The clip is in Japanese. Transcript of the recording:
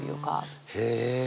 へえ。